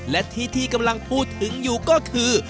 และที่ที่กำลังพูดถึงอยู่ก็คือ